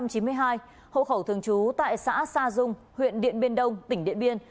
hộ khẩu thường trú tại xã sa dung huyện điện biên đông tỉnh điện biên